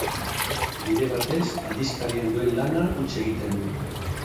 Bide batez, aldizkarian duen lana utzi egiten du.